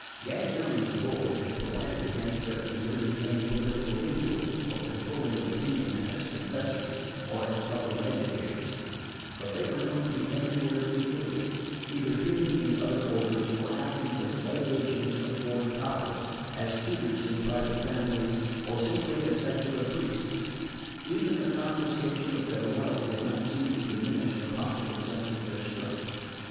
Ganganelli's bull had provided against their exerting any political influence, or controlling opinion as confessors or as public educators; but they were known to be everywhere in Italy, either hidden in other orders, or acting as lay agents of foreign powers, as tutors in private families, or simply as secular priests. Even the confiscation of their wealth did not seem to diminish the popular sense of their strength.